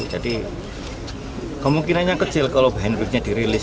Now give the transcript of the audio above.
jadi kemungkinannya kecil kalau handbrake nya dirilis